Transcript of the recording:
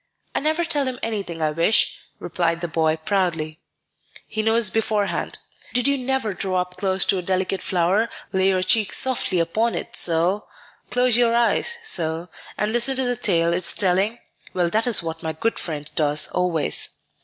"I never tell him anything I wish," replied the boy, proudly. "He knows beforehand. Did you never draw up close to a delicate flower, lay your cheek softly upon it, so, close your eyes, so, and listen to the tale it's telling? Well, that is what my good friend does always."